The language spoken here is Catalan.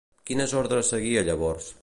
Quines ordres seguia llavors?